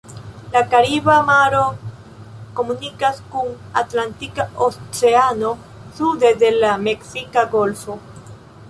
La Kariba maro komunikas kun Atlantika Oceano, sude de la Meksika Golfo.